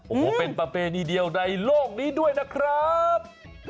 โอ้โหเป็นประเพณีเดียวในโลกนี้ด้วยนะครับ